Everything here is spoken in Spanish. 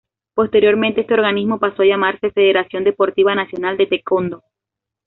Posteriormente, este organismo pasó a llamarse Federación Deportiva Nacional de Taekwondo.